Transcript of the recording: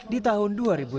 di tahun dua ribu lima belas